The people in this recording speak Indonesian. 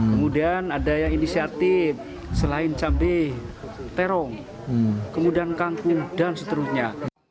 kemudian ada yang inisiatif selain cabai terong kemudian kangkung dan seterusnya